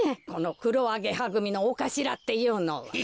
このくろアゲハぐみのおかしらっていうのは。